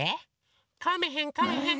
かめへんかめへん！